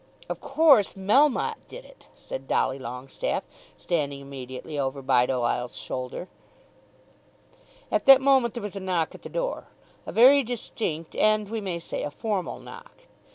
"] "Of course Melmotte did it," said Dolly Longestaffe standing immediately over Bideawhile's shoulder. At that moment there was a knock at the door, a very distinct, and, we may say, a formal knock.